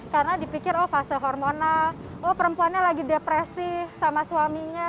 karena dipikir oh fase hormonal oh perempuannya lagi depresi sama suaminya